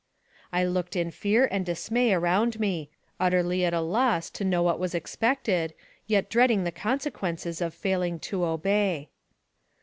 I looked in fear and dismay around me, utterly al A loss to know what was expected, yet dreading the con sequences of failing to obey.